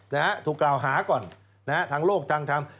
ค่ะถูกกล่าวหาก่อนทางโลกทางทั้ง